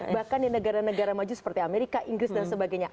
bahkan di negara negara maju seperti amerika inggris dan sebagainya